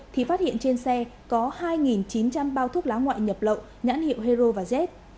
thì phát hiện trên xe có hai chín trăm linh bao thuốc lá ngoại nhập lậu nhãn hiệu hero và z